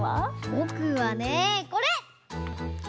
ぼくはねこれ！